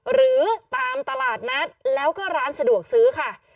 หรือตามตลาดนัดแล้วก็ร้านสะดวกซื้อค่ะ